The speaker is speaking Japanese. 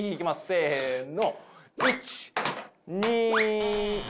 せの。